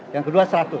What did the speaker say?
yang kedua seratus